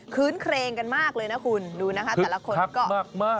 ื้นเครงกันมากเลยนะคุณดูนะคะแต่ละคนก็มาก